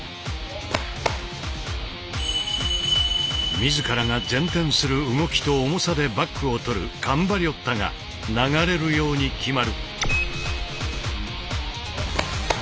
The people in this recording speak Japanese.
自らが前転する動きと重さでバックを取るカンバリョッタが流れるように極まる。